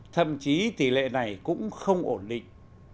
thậm chí tỷ lệ này cũng không ổn định